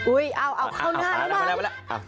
อุ๊ยเอาเขานานมาก